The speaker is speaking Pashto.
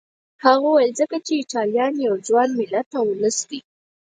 هغه وویل ځکه چې ایټالیا یو ځوان ملت او ولس دی.